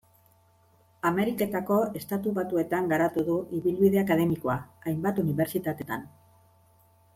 Ameriketako Estatu Batuetan garatu du ibilbide akademikoa, hainbat unibertsitatetan.